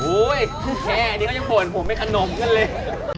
โอ๊ยแค่อันนี้เขายังโหดผมให้ขนมกันเลย